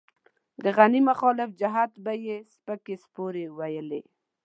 د غني مخالف جهت ته به يې سپکې سپورې ويلې.